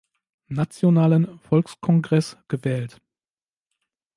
Nationalen Volkskongress gewählt.